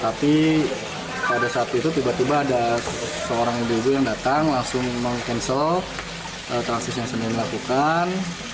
tapi pada saat itu tiba tiba ada seorang ibu ibu yang datang langsung meng cancel transisi yang senin lakukan